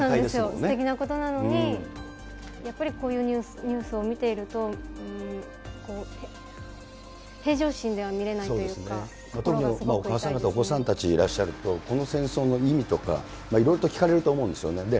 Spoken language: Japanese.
すてきなことなのに、やっぱりこういうニュースを見ていると、お母さん方、お子さんたちいらっしゃると、この戦争の意味とか、いろいろと聞かれると思うんですよね。